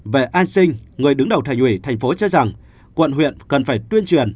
về an sinh người đứng đầu thành ủy tp hcm cho rằng quận huyện cần phải tuyên truyền